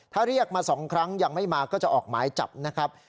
ถ้าเรียกมา๒ครั้งยังไม่มาก็จะออกหมายจับนะครับ